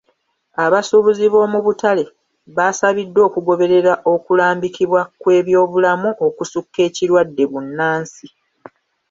Abasuubuzi b'omu butale baasabiddwa okugoberera okulambikibwa kw'ebyobulamu okusukka ekirwadde bbunansi.